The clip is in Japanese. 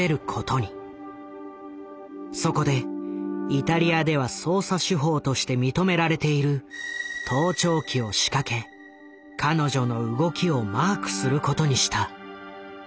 そこでイタリアでは捜査手法として認められている盗聴器を仕掛け彼女の動きをマークすることにした。